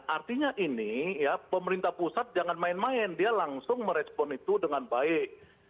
artinya ini ya pemerintah pusat jangan main main dia langsung merespon itu dengan baik